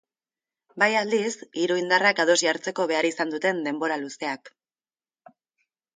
Bai, aldiz, hiru indarrak ados jartzeko behar izan duten denbora luzeak.